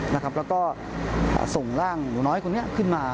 แล้วก็ส่งร่างหนูน้อยคนนี้ขึ้นมา